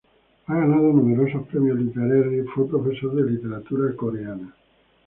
Ha ganado numerosos premios literarios y fue profesor de literatura coreana.